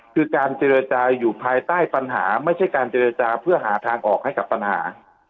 คือการเจรจาอยู่ภายใต้ปัญหาไม่ใช่การเจรจาเพื่อหาทางออกให้กับปัญหา